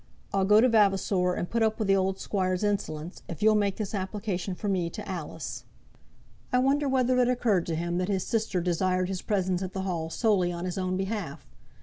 "I'll go to Vavasor and put up with the old squire's insolence, if you'll make this application for me to Alice." I wonder whether it occurred to him that his sister desired his presence at the Hall solely on his own behalf.